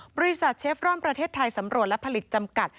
บริษัทเชฟรอนประเทศไทยสำรวจและผลิตจำกัด